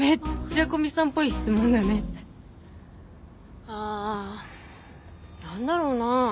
あ何だろうな。